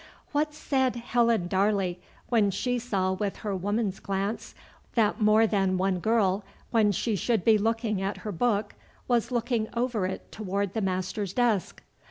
What said Helen Darley, when she saw with her woman's glance that more than one girl, when she should be looking at her book, was looking over it toward the master's desk?